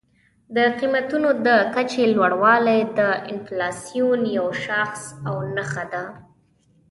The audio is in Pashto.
د قیمتونو د کچې لوړوالی د انفلاسیون یو شاخص او نښه ده.